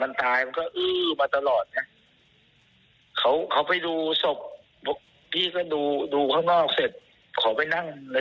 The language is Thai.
สงสารคือมันเป็นคนดีเลยนะถ้ามันเป็นคนไม่ดี